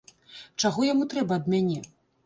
Чаго яму трэба ад мяне?